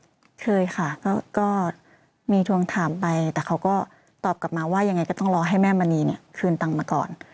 เคยค่ะก็มีทวงถามไปแต่เขาก็ตอบกลับมาว่ายังไงก็ต้องรอให้แม่มณีเนี่ยคืนตังค์มาก่อน